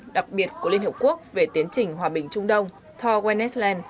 đặc biệt của liên hiệp quốc về tiến trình hòa bình trung đông thor wennesland